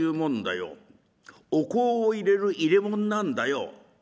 お香を入れる入れ物なんだよ」。